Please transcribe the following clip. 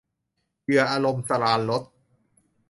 เหยื่ออารมณ์ - สราญรส